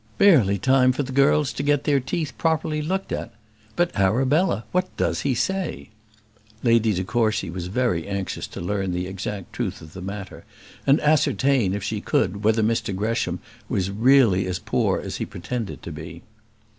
"Barely time for the girls to get their teeth properly looked at! But Arabella, what does he say?" Lady de Courcy was very anxious to learn the exact truth of the matter, and ascertain, if she could, whether Mr Gresham was really as poor as he pretended to be.